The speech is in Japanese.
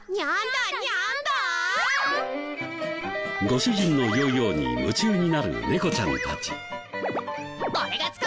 ご主人のヨーヨーに夢中になる猫ちゃんたち。